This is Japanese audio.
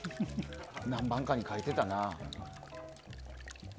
何番かに書いてたな。